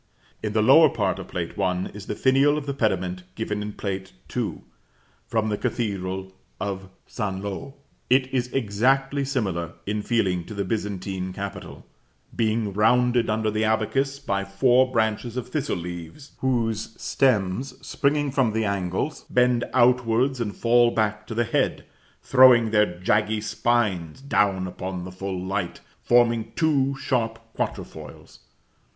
In the lower part of Plate I. is the finial of the pediment given in Plate II., from the cathedral of St. Lo. It is exactly similar in feeling to the Byzantine capital, being rounded under the abacus by four branches of thistle leaves, whose stems, springing from the angles, bend outwards and fall back to the head, throwing their jaggy spines down upon the full light, forming two sharp quatre foils.